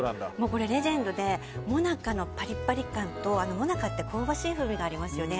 これはレジェンドでモナカのパリパリ感とモナカって香ばしい風味がありますよね